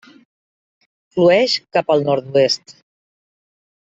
Flueix cap al nord-oest.